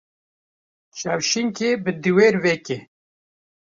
Çavşînkê bi dîwêr veke.